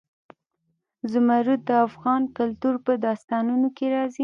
زمرد د افغان کلتور په داستانونو کې راځي.